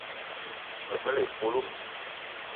Me gbele épölo